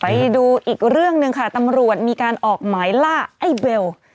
ไปดูอีกเรื่องหนึ่งค่ะตำรวจมีการออกหมายล่าไอ้เบล